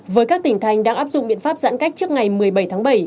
với các tỉnh thành đang áp dụng biện pháp giãn cách trước ngày một mươi bảy tháng bảy